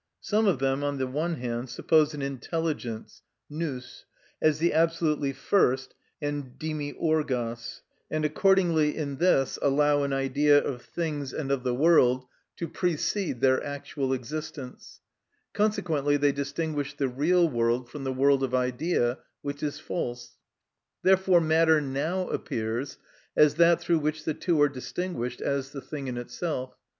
Some of them, on the one hand, suppose an intelligence, νους, as the absolutely First and δημιουργος, and accordingly in this allow an idea of things and of the world to precede their actual existence; consequently they distinguish the real world from the world of idea; which is false. Therefore matter now appears as that through which the two are distinguished, as the thing in itself.